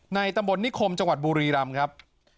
ตำบลนิคมจังหวัดบุรีรำครับ